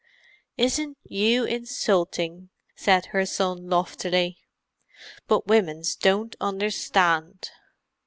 "Isn't you insulting," said her son loftily. "But womens don't understand!"